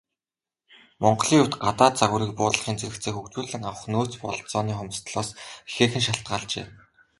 Монголын хувьд, гадаад загварыг буулгахын зэрэгцээ хөгжүүлэн авах нөөц бололцооны хомсдолоос ихээхэн шалтгаалжээ.